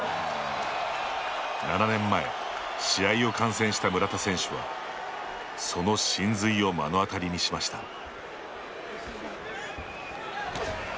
７年前、試合を観戦した村田選手はその神髄を目の当たりにしました。